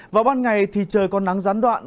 vào ban ngày thì trời có nắng rắn đoạn